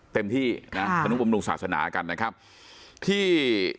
เต็มที่นะช่างหนุ่มสาสนากรรมนะครับที่